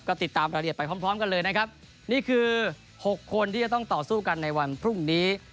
ก็ติดตามรายละเอียดไปพร้อมพร้อมกันเลยนะครับนี่คือ๖คนที่จะต้องต่อสู้กันในวันพรุ่งนี้